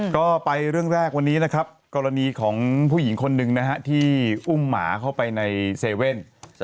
ก็ไปเรื่องแรกวันนี้นะครับกรณีของผู้หญิงคนหนึ่งนะฮะที่อุ้มหมาเข้าไปใน๗๑๑